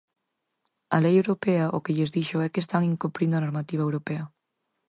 A lei europea o que lles dixo é que están incumprindo a normativa europea.